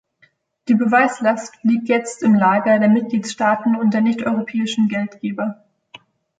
Die Beweislast liegt jetzt im Lager der Mitgliedstaaten und der nichteuropäischen Geldgeber.